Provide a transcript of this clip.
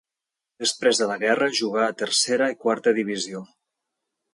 Després de la Guerra jugà a tercera i quarta divisió.